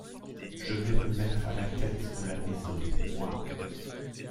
Je vais me mettre à la tête de la maison, moi!